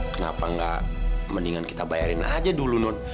kenapa nggak mendingan kita bayarin aja dulu non